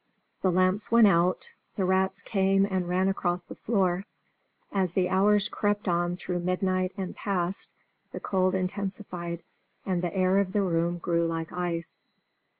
The lamps went out; the rats came and ran across the floor; as the hours crept on through midnight and past, the cold intensified and the air of the room grew like ice.